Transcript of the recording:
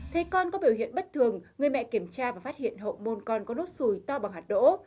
thấy con có biểu hiện bất thường người mẹ kiểm tra và phát hiện hậu môn con có nốt sùi to bằng hạt đỗ